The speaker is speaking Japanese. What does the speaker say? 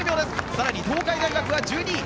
更に東海大学は１２位。